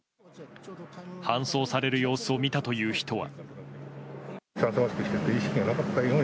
搬送される様子を見たという人は。